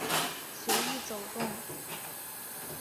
节目的最大特色是有只猫在演播室中随意走动。